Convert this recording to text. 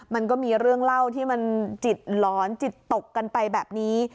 มันก็มีเรื่องเล่าที่มันจิตหลอนจิตตกกันไปแบบนี้